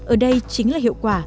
ở đây chính là hiệu quả